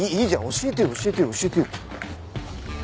教えてよ教えてよ教えてよ。